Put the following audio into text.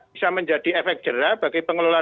bisa menjadi efek jerah bagi pengelola